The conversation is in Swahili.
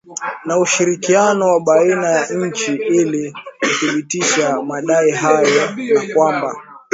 na ushirikiano wa baina ya nchi ili kuthibitisha madai hayo na kwamba